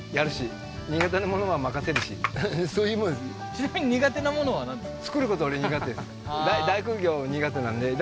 ちなみに苦手なものはなんですか？